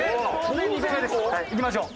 いきましょう。